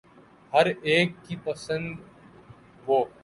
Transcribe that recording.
ہر ایک کی پسند و